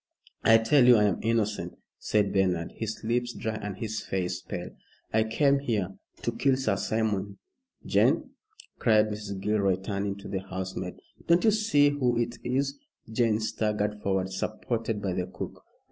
"I tell you I am innocent," said Bernard, his lips dry and his face pale. "I came here " "To kill Sir Simon. Jane," cried Mrs. Gilroy, turning to the housemaid. "Don't you see who it is?" Jane staggered forward supported by the cook.